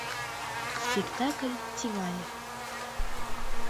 Спектакль тӱҥале.